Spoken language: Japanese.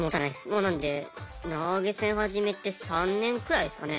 もうなので投げ銭始めて３年くらいですかね。